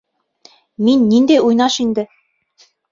Мин ниндәй уйнаш инде.